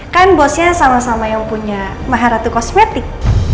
kan bosnya sama sama yang punya maharatu kosmetik